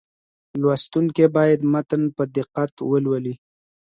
لوستونکي باید متن په دقت ولولي.